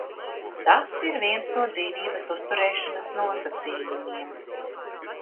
Tas ir viens no dzīvības uzturēšanas nosacījumiem.